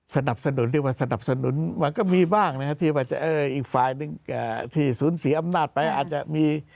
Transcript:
สนับสนุนเรียกว่าสนับสนุนมันก็มีบ้างนะครับที่ว่าอีกฝ่ายหนึ่งที่สูญเสียอำนาจไปอาจจะมี